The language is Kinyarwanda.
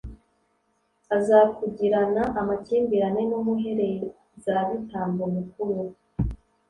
aza kugirana amakimbirane n'umuherezabitambo mukuru